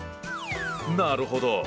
なるほど。